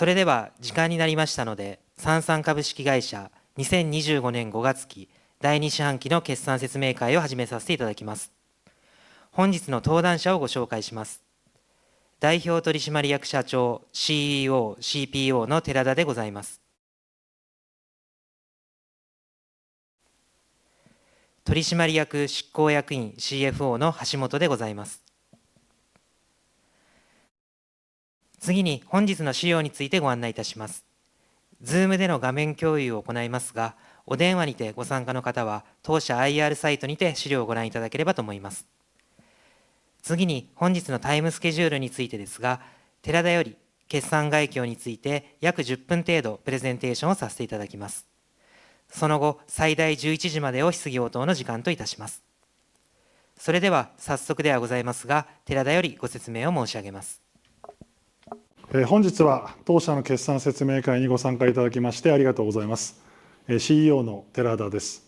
それでは、時間になりましたので、サンサン株式会社、2025年5月期、第2四半期の決算説明会を始めさせていただきます。本日の登壇者をご紹介します。代表取締役社長、CEO、CPO の寺田でございます。取締役執行役員、CFO の橋本でございます。次に、本日の資料についてご案内いたします。Zoom での画面共有を行いますが、お電話にてご参加の方は当社 IR サイトにて資料をご覧いただければと思います。次に、本日のタイムスケジュールについてですが、寺田より決算概況について約10分程度プレゼンテーションをさせていただきます。その後、最大11時までを質疑応答の時間といたします。それでは、早速ではございますが、寺田よりご説明を申し上げます。本日は当社の決算説明会にご参加いただきましてありがとうございます。CEO の寺田です。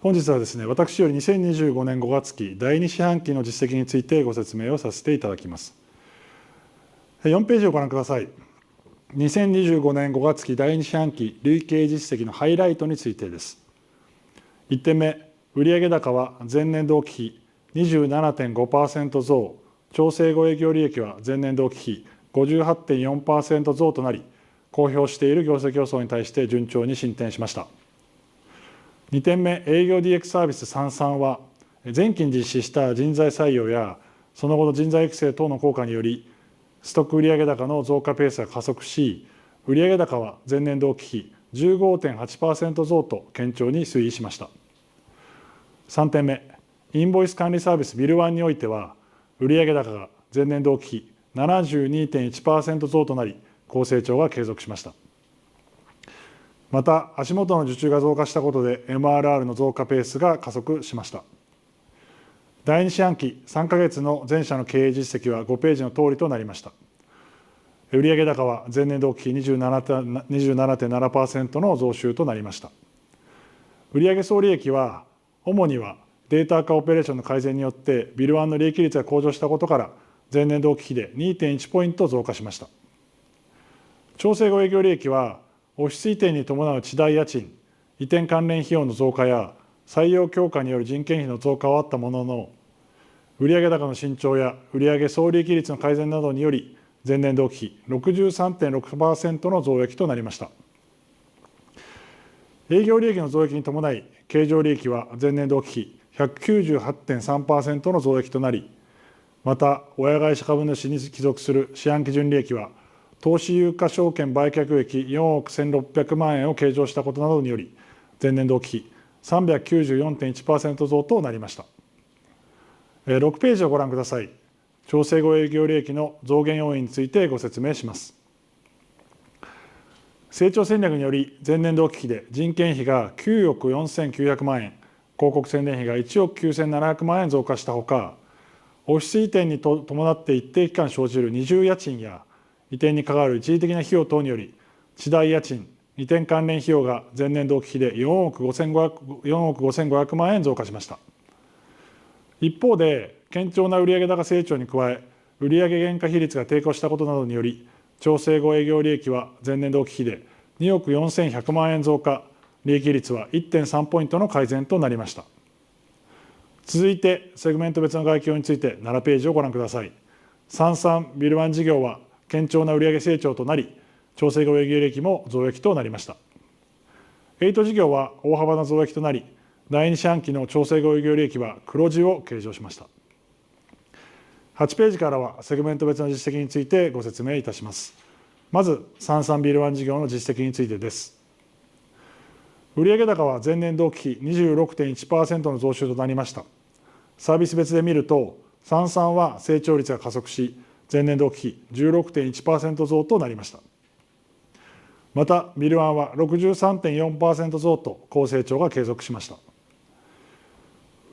本日は私より2025年5月期第2四半期の実績についてご説明をさせていただきます。4ページをご覧ください。2025年5月期第2四半期累計実績のハイライトについてです。1点目、売上高は前年同期比 27.5% 増、調整後営業利益は前年同期比 58.4% 増となり、公表している業績予想に対して順調に進展しました。2点目、営業 DX サービス「サンサン」は、前期に実施した人材採用やその後の人材育成等の効果により、ストック売上高の増加ペースが加速し、売上高は前年同期比 15.8% 増と堅調に推移しました。3点目、インボイス管理サービス「ビルワン」においては、売上高が前年同期比 72.1% 増となり、好成長が継続しました。また、足元の受注が増加したことで MRR の増加ペースが加速しました。第2四半期3か月の全社の経営実績は5ページのとおりとなりました。売上高は前年同期比 27.7% の増収となりました。売上総利益は主にはデータ化オペレーションの改善によってビルワンの利益率が向上したことから、前年同期比で 2.1 ポイント増加しました。調整後営業利益はオフィス移転に伴う地代家賃、移転関連費用の増加や採用強化による人件費の増加はあったものの、売上高の伸長や売上総利益率の改善などにより前年同期比 63.6% の増益となりました。営業利益の増益に伴い、経常利益は前年同期比 198.3% の増益となり、また、親会社株主に帰属する四半期純利益は投資有価証券売却益4億 1,600 万円を計上したことなどにより前年同期比 394.1% 増となりました。6ページをご覧ください。調整後営業利益の増減要因についてご説明します。成長戦略により前年同期比で人件費が9億 4,900 万円、広告宣伝費が1億 9,700 万円増加したほか、オフィス移転に伴って一定期間生じる二重家賃や移転にかかる一時的な費用等により地代家賃、移転関連費用が前年同期比で4億 5,500 万円増加しました。一方で、堅調な売上高成長に加え、売上原価比率が低下したことなどにより調整後営業利益は前年同期比で2億 4,100 万円増加、利益率は 1.3 ポイントの改善となりました。続いて、セグメント別の概況について7ページをご覧ください。サンサン・ビルワン事業は堅調な売上成長となり、調整後営業利益も増益となりました。エイト事業は大幅な増益となり、第2四半期の調整後営業利益は黒字を計上しました。8ページからはセグメント別の実績についてご説明いたします。まず、サンサン・ビルワン事業の実績についてです。売上高は前年同期比 26.1% の増収となりました。サービス別で見ると、サンサンは成長率が加速し、前年同期比 16.1% 増となりました。また、ビルワンは 63.4% 増と好成長が継続しました。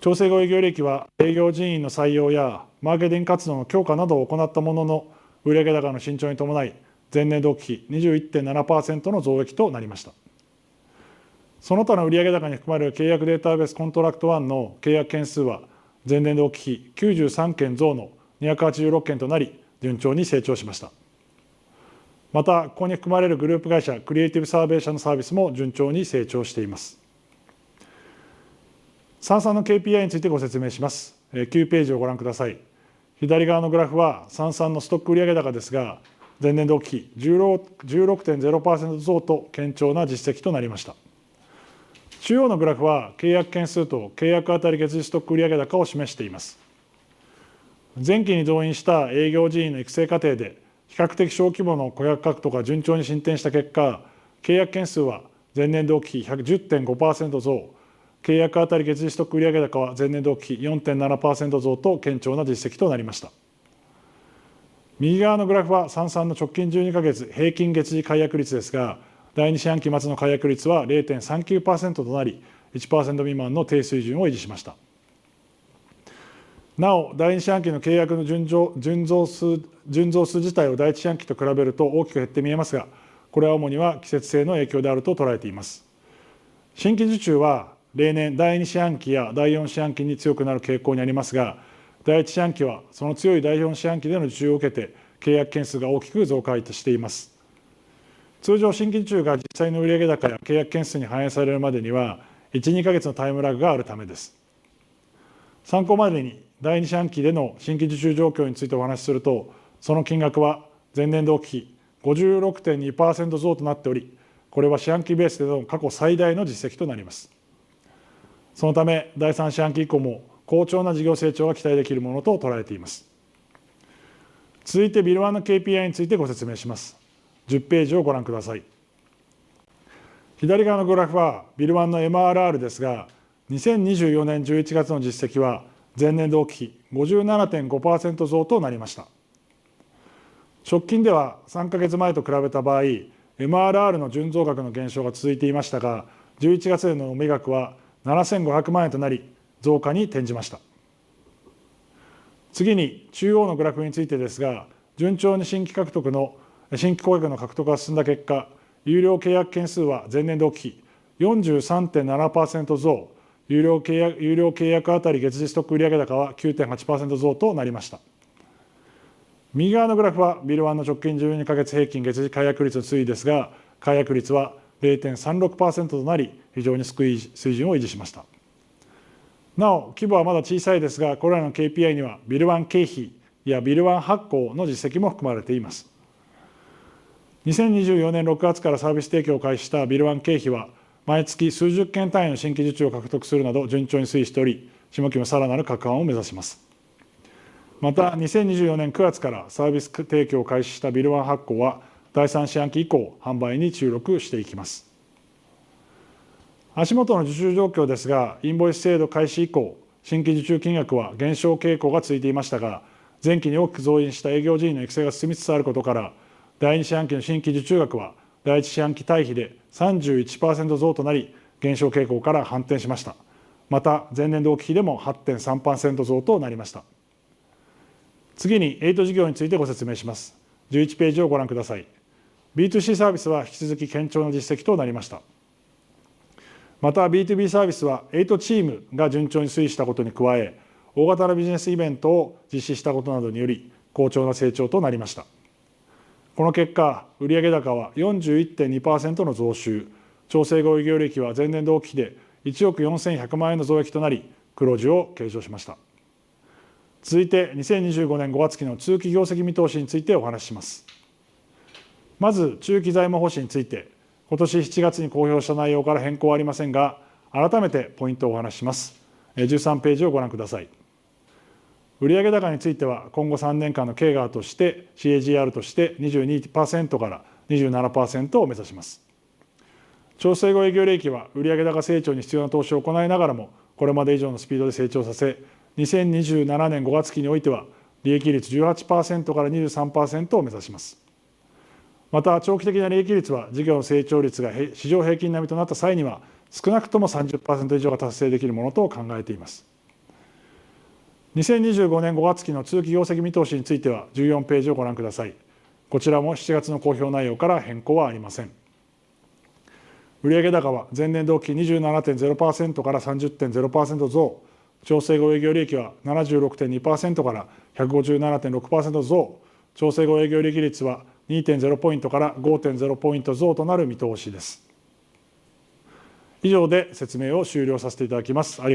調整後営業利益は営業人員の採用やマーケティング活動の強化などを行ったものの、売上高の伸長に伴い前年同期比 21.7% の増益となりました。その他の売上高に含まれる契約データベース「コントラクトワン」の契約件数は前年同期比93件増の286件となり、順調に成長しました。また、ここに含まれるグループ会社クリエイティブサーベイ社のサービスも順調に成長しています。サンサンの KPI についてご説明します。9ページをご覧ください。左側のグラフはサンサンのストック売上高ですが、前年同期比 16.0% 増と堅調な実績となりました。中央のグラフは契約件数と契約当たり月次ストック売上高を示しています。前期に増員した営業人員の育成過程で比較的小規模の顧客獲得が順調に進展した結果、契約件数は前年同期比 110.5% 増、契約当たり月次ストック売上高は前年同期比 4.7% 増と堅調な実績となりました。右側のグラフはサンサンの直近12か月平均月次解約率ですが、第2四半期末の解約率は 0.39% となり、1% 未満の低水準を維持しました。なお、第2四半期の契約の純増数自体を第1四半期と比べると大きく減って見えますが、これは主には季節性の影響であると捉えています。新規受注は例年第2四半期や第4四半期に強くなる傾向にありますが、第1四半期はその強い第4四半期での受注を受けて契約件数が大きく増加しています。通常、新規受注が実際の売上高や契約件数に反映されるまでには 1、2か月のタイムラグがあるためです。参考までに、第2四半期での新規受注状況についてお話しすると、その金額は前年同期比 56.2% 増となっており、これは四半期ベースでの過去最大の実績となります。そのため、第3四半期以降も好調な事業成長が期待できるものと捉えています。続いて、ビルワンの KPI についてご説明します。10ページをご覧ください。左側のグラフはビルワンの MRR ですが、2024年11月の実績は前年同期比 57.5% 増となりました。直近では3か月前と比べた場合、MRR の純増額の減少が続いていましたが、11月での純増額は 7,500 万円となり、増加に転じました。次に、中央のグラフについてですが、順調に新規顧客の獲得が進んだ結果、有料契約件数は前年同期比 43.7% 増、有料契約当たり月次ストック売上高は 9.8% 増となりました。右側のグラフはビルワンの直近12か月平均月次解約率の推移ですが、解約率は 0.36% となり、非常に低い水準を維持しました。なお、規模はまだ小さいですが、これらの KPI にはビルワン経費やビルワン発行の実績も含まれています。2024年6月からサービス提供を開始したビルワン経費は、毎月数十件単位の新規受注を獲得するなど順調に推移しており、下期もさらなる拡販を目指します。また、2024年9月からサービス提供を開始したビルワン発行は第3四半期以降販売に注力していきます。足元の受注状況ですが、インボイス制度開始以降新規受注金額は減少傾向が続いていましたが、前期に大きく増員した営業人員の育成が進みつつあることから、第2四半期の新規受注額は第1四半期対比で 31% 増となり、減少傾向から反転しました。また、前年同期比でも 8.3% 増となりました。次に、エイト事業についてご説明します。11ページをご覧ください。BtoC サービスは引き続き堅調な実績となりました。また、BtoB サービスはエイトチームが順調に推移したことに加え、大型のビジネスイベントを実施したことなどにより好調な成長となりました。この結果、売上高は 41.2% の増収、調整後営業利益は前年同期比で1億 4,100 万円の増益となり、黒字を計上しました。続いて、2025年5月期の中期業績見通しについてお話しします。まず、中期財務目標について。今年7月に公表した内容から変更はありませんが、改めてポイントをお話しします。13ページをご覧ください。売上高については、今後3年間の CAGR として 22% から 27% を目指します。調整後営業利益は売上高成長に必要な投資を行いながらも、これまで以上のスピードで成長させ、2027年5月期においては利益率 18% から 23% を目指します。また、長期的な利益率は事業の成長率が市場平均並みとなった際には少なくとも 30% 以上が達成できるものと考えています。2025年5月期の業績見通しについては14ページをご覧ください。こちらも7月の公表内容から変更はありません。売上高は前年同期比 27.0% から 30.0% 増、調整後営業利益は 76.2% から 157.6% 増、調整後営業利益率は 2.0 ポイントから 5.0 ポイント増となる見通しです。以上で説明を終了させていただきます。ありがとうございました。